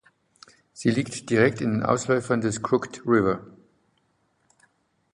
Sie liegt direkt in den Ausläufern des Crooked River.